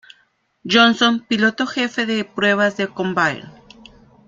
Johnson, piloto jefe de pruebas de Convair.